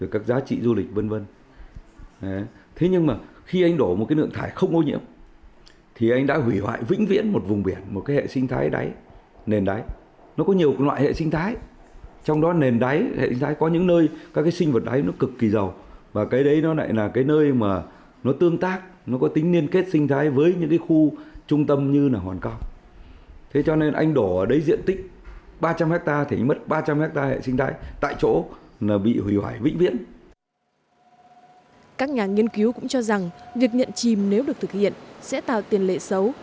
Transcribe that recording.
các nhà nghiên cứu cũng cho rằng việc nhận chìm nếu được thực hiện sẽ tạo tiền lệ xấu